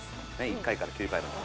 １回から９回まで。